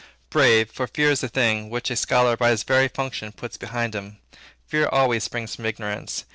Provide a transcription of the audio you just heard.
Brave; for fear is a thing, which a scholar by his very function puts behind him. Fear always springs from ignorance.